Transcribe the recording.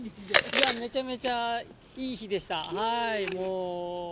いや、めちゃめちゃいい日でした。